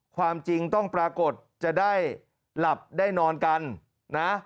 ความจริงต้องปรากฏจะได้หลับได้นอนกันนะ